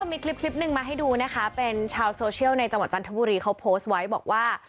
มีคลิปคลิปหนึ่งมาให้ดูนะคะเป็นชาวโซเชียลในจังหวัดจันทบุรีเขาโพสต์ไว้บอกว่า